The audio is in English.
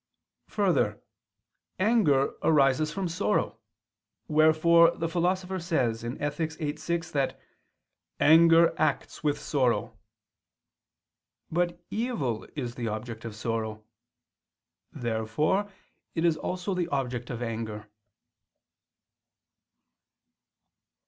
3: Further, anger arises from sorrow; wherefore the Philosopher says (Ethic. viii, 6) that "anger acts with sorrow." But evil is the object of sorrow. Therefore it is also the object of anger.